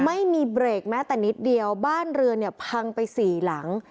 ไม่มีเบรกแม้แต่นิดเดียวบ้านเรือนเนี่ยพังไปสี่หลัง